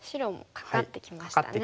カカってきました。